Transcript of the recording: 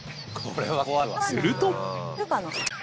すると。